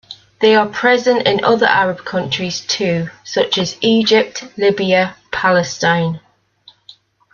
They are present in other Arab countries too, such as Egypt, Libya, Palestine.